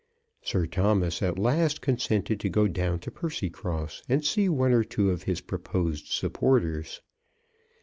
Sir Thomas at last consented to go down to Percycross, and see one or two of his proposed supporters.